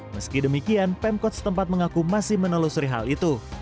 meski demikian pemkot setempat mengaku masih menelusuri hal itu